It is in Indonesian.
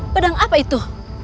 pedang apa itu